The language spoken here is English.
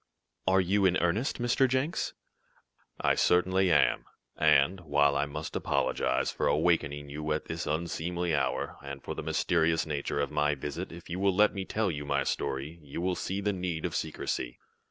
"Are you in earnest, Mr. Jenks?" "I certainly am, and, while I must apologize for awakening you at this unseemly hour, and for the mysterious nature of my visit, if you will let me tell my story, you will see the need of secrecy."